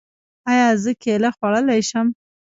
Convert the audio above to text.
ایا زه کیله خوړلی شم؟